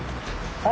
はい。